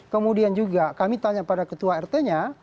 kemudian juga kami tanya pada ketua rt nya